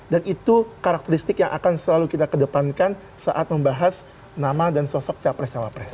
dan itu karakteristik yang akan selalu kita kedepankan saat membahas nama dan sosok capres capres